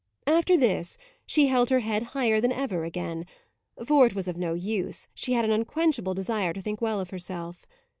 After this she held her head higher than ever again; for it was of no use, she had an unquenchable desire to think well of herself.